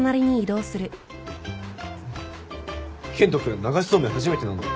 健人君流しそうめん初めてなんだって。